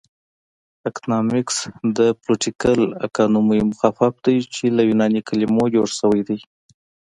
اکنامکس د پولیټیکل اکانومي مخفف دی چې له یوناني کلمو جوړ شوی دی